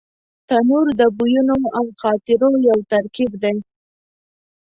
تنور د بویونو او خاطرو یو ترکیب دی